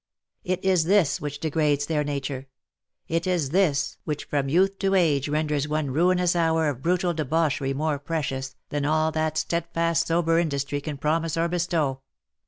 It is this which degrades their nature ; it is this which from youth to age OF MICHAEL ARMSTRONG. 283 renders one ruinous hour of brutal debauchery more precious, than all that steadfast sober industry can promise or bestow.